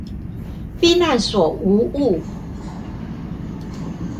避難所無誤